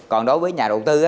còn đối với nhà đầu tư